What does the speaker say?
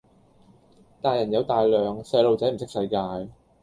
大人有大量，細路仔唔識世界